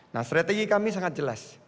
nah strategi kami sangat jelas